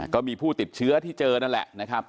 ก็มีผู้ติดเชื้อที่เจอนั่นแหละนะครับ